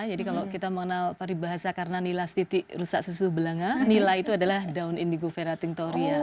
jadi kalau kita mengenal paribahasa karena nila stitik rusak susu belanga nila itu adalah daun indigo ferratinctoria